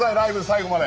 最後まで。